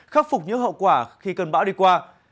khắc phục những hậu quả khi cơn bão đi qua